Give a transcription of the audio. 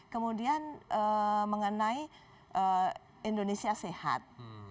kemudian mengenai indonesia sehat